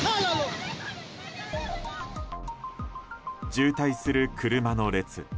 渋滞する車の列。